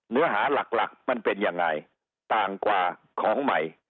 เนื้อหาหลักหลักมันเป็นยังไงต่างกว่าของใหม่